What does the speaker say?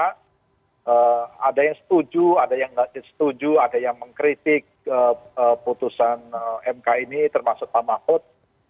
ada yang setuju ada yang tidak setuju ada yang mengkritik putusan mk ini termasuk pak mahfud